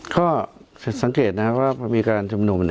ก็สังเกตนะครับว่าพอมีการชุมนุม